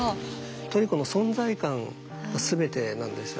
トリコの存在感が全てなんですよ。